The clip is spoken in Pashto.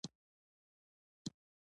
بوټونه د فیشن برخه ده.